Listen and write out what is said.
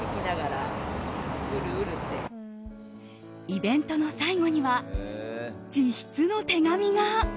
イベントの最後には自筆の手紙が。